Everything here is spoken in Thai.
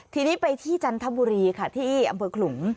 ทีนี้ไปที่จันทบุรีค่ะที่อำเภอขลุง